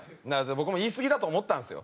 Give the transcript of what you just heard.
僕も言いすぎだと思ったんですよ。